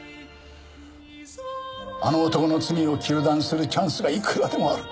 あの男の罪を糾弾するチャンスがいくらでもある。